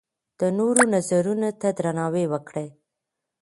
د نورو نظرونو ته درناوی وکړئ.